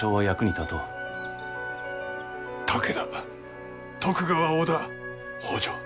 武田徳川織田北条